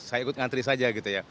saya ikut ngantri saja gitu ya